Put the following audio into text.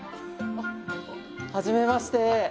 あはじめまして。